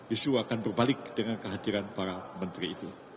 isu akan berbalik dengan kehadiran para menteri itu